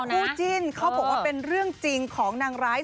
คู่จิ้นเขาบอกว่าเป็นเรื่องจริงของนางร้าย